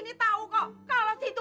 ngerti nggak situ